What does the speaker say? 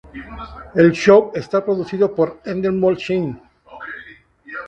El show está producido por Endemol Shine.